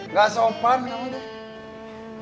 nggak sopan kamu tuh